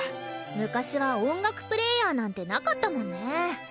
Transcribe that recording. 昔は音楽プレーヤーなんてなかったもんね。